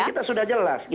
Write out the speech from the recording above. kita sudah jelas